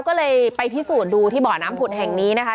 ก็เลยไปพิสูจน์ดูที่บ่อน้ำผุดแห่งนี้นะคะ